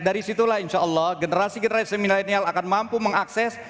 dari situlah insya allah generasi generasi milenial akan mampu mengakses